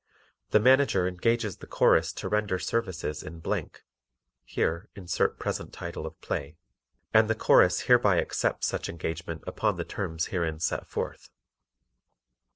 The Manager engages the Chorus to render services in , (Here insert present title of play.) and the Chorus hereby accepts such engagement upon the terms herein set forth.